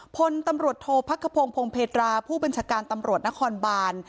พลตำรวจโทษพักขพงพงเพตราผู้บัญชาการตำรวจนครบาน